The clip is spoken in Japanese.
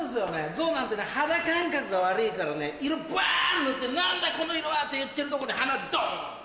象なんてね肌感覚が悪いからね色バ塗って「何だこの色は！」って言ってるとこに鼻ドン！